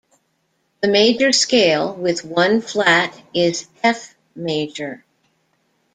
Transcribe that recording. The major scale with one flat is F major.